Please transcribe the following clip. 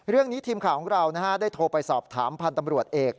ทีมข่าวของเราได้โทรไปสอบถามพันธ์ตำรวจเอก